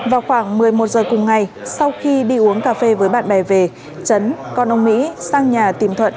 vào khoảng một mươi một giờ cùng ngày sau khi đi uống cà phê với bạn bè về chấn con ông mỹ sang nhà tìm thuận